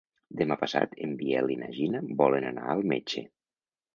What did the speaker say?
Demà passat en Biel i na Gina volen anar al metge.